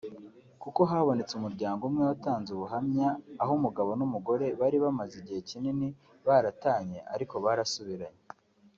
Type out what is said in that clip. kuko habonetse umuryango umwe watanze ubuhamya aho umugabo n’umugore bari bamaze igihe kinini baratanye ariko barasubiranye